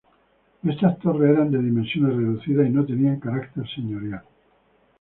Estas torres eran de dimensiones reducidas y no tenían carácter señorial.